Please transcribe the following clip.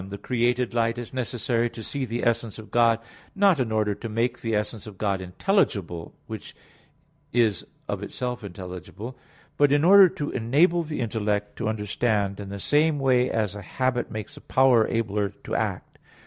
1: The created light is necessary to see the essence of God, not in order to make the essence of God intelligible, which is of itself intelligible, but in order to enable the intellect to understand in the same way as a habit makes a power abler to act.